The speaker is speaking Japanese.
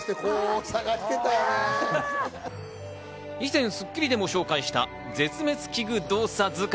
以前『スッキリ』でも紹介した『絶滅危惧動作図鑑』。